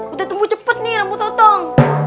udah tumbuh cepet nih rambut otong